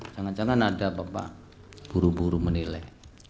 jangan jangan ada bapak buru buru menilai